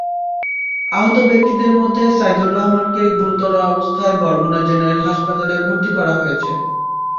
আহত ব্যক্তিদের মধ্যে সাইদুর রহমানকে গুরুতর অবস্থায় বরগুনা জেনারেল হাসপাতালে ভর্তি করা হয়েছে।